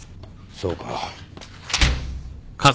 そうか。